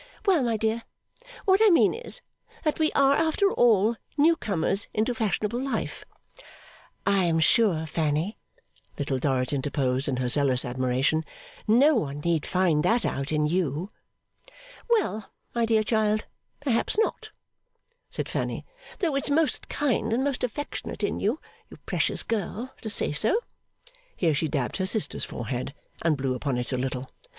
'Well, my dear, what I mean is, that we are, after all, newcomers into fashionable life.' 'I am sure, Fanny,' Little Dorrit interposed in her zealous admiration, 'no one need find that out in you.' 'Well, my dear child, perhaps not,' said Fanny, 'though it's most kind and most affectionate in you, you precious girl, to say so.' Here she dabbed her sister's forehead, and blew upon it a little.